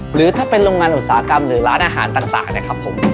หรือถ้าเป็นโรงงานอุตสาหกรรมหรือร้านอาหารต่างนะครับผม